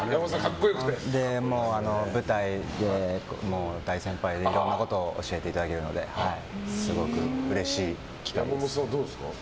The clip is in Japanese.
舞台では大先輩でいろんなことを教えていただけるので山本さんはどうですか？